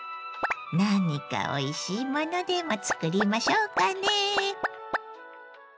何かおいしいものでも作りましょうかね。